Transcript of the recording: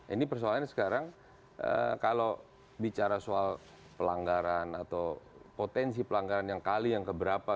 ini persoalannya sekarang kalau bicara soal pelanggaran atau potensi pelanggaran yang kali yang keberapa